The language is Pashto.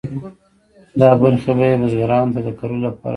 دا برخې به یې بزګرانو ته د کرلو لپاره ورکولې.